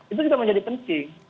itu juga menjadi penting